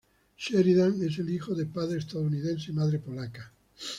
Sheridan es el hijo de padre estadounidense y madre polaca.